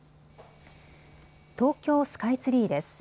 東京スカイツリーです。